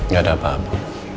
gak ada apa apa